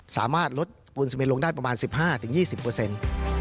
สามารถลดวน๑๑ลงได้ประมาณ๑๕๒๐เปอร์เซ็นต์